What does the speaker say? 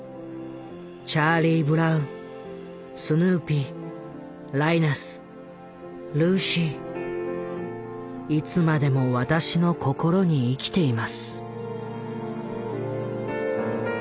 チャーリー・ブラウンスヌーピーライナスルーシーいつまでも私の心に生きています」。